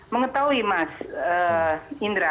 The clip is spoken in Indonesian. mengetahui mas indra